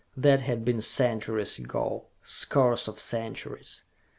That had been centuries ago scores of centuries.